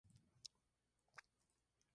Tal es el caso de Asturias.